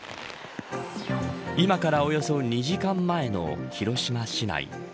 今からおよそ２時間前の広島市内。